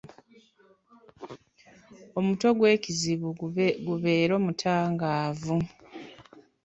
Omutwe gw’ekizibu gubeere mutangaavu.